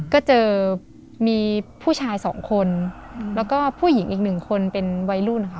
ก็เจอมีผู้ชายสองคนแล้วก็ผู้หญิงอีกหนึ่งคนเป็นวัยรุ่นนะคะ